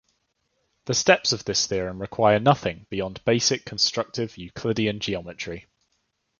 The steps of this theorem require nothing beyond basic constructive Euclidean geometry.